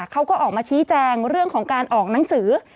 เขาก็ออกมาชี้แจงเรื่องของการออกหนังสือ